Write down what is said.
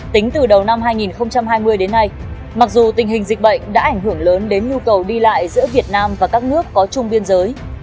tính từ đầu năm hai nghìn hai mươi đến nay mặc dù tình hình dịch bệnh đã ảnh hưởng lớn đến nhu cầu đi lại giữa việt nam và các nước có chung biên giới